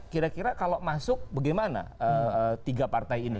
kira kira kalau masuk bagaimana tiga partai ini